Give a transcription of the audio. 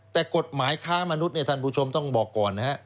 แต่กฎหมายฆ่ามนุษย์ท่านผู้ชมต้องบอกก่อนนะครับ